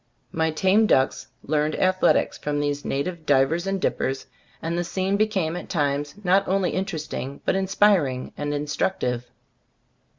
My tame ducks learned athletics from these native divers and dippers, and the scene became at times not only in teresting, but inspiring and instruc tive.